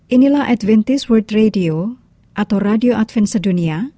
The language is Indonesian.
inilah adventist world radio atau radio advent sedunia